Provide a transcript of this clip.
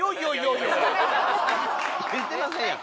言えてませんやん。